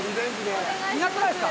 いなくないですか？